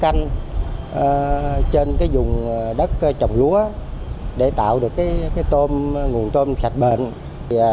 cái cây canh trên cái vùng đất trồng lúa để tạo được cái tôm nguồn tôm sạch bệnh